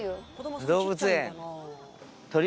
動物園。